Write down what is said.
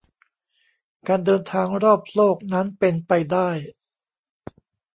การเดินทางรอบโลกนั้นเป็นไปได้